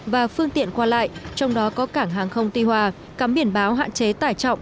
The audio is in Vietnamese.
và phương tiện qua lại trong đó có cảng hàng không tuy hòa cắm biển báo hạn chế tải trọng